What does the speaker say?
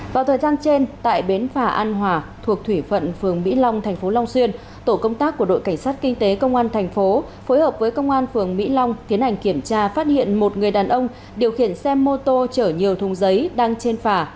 vào thời gian trên tại bến phà an hòa thuộc thủy phận phường mỹ long thành phố long xuyên tổ công tác của đội cảnh sát kinh tế công an thành phố phối hợp với công an phường mỹ long tiến hành kiểm tra phát hiện một người đàn ông điều khiển xe mô tô chở nhiều thùng giấy đang trên phà